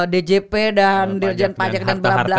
djp dan dirjen pajak dan bla bla